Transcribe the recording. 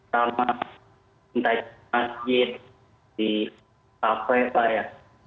sama entai masjid di kafe pak ya